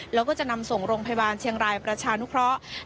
แล้วก็จะนำส่งโรงพยาบาลเชียงรายประชานุเคราะห์